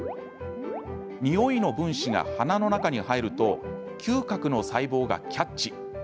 匂いの分子が鼻の中に入ると嗅覚の細胞がキャッチ。